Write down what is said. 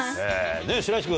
白石君。